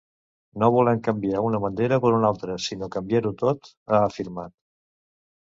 No volem canviar una bandera per una altra sinó canviar-ho tot, ha afirmat.